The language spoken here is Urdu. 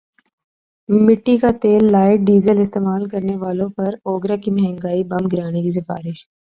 مٹی کا تیللائٹ ڈیزل استعمال کرنے والوں پر اوگرا کی مہنگائی بم گرانے کی سفارش